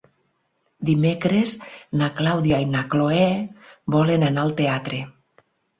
Dimecres na Clàudia i na Cloè volen anar al teatre.